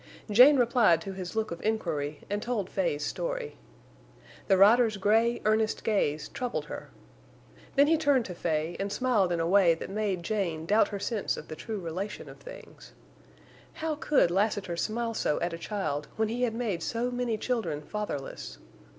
Jane replied to his look of inquiry and told Fay's story. The rider's gray, earnest gaze troubled her. Then he turned to Fay and smiled in a way that made Jane doubt her sense of the true relation of things. How could Lassiter smile so at a child when he had made so many children fatherless?